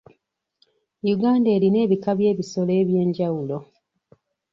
Uganda erina ebika by'ebisolo eby'enjawulo.